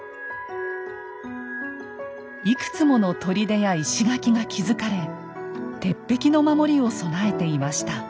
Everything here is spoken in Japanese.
いくつもの砦や石垣が築かれ鉄壁の守りを備えていました。